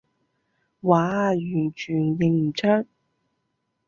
嘩，完全認唔出